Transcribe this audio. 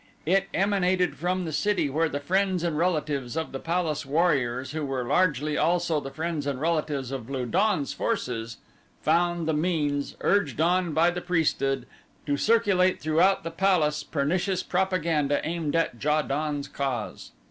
It emanated from the city where the friends and relatives of the palace warriors, who were largely also the friends and relatives of Lu don's forces, found the means, urged on by the priesthood, to circulate throughout the palace pernicious propaganda aimed at Ja don's cause.